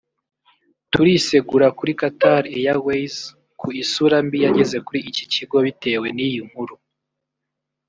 turisegura kuri Qatar Airways ku isura mbi yageze kuri iki kigo bitewe n’iyi nkuru